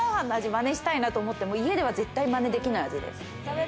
まねしたいなと思っても、家では絶対まねできない味です。